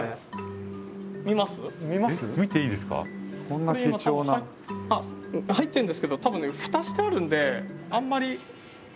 これ実は入ってるんですけどたぶんねふたしてあるんであんまり。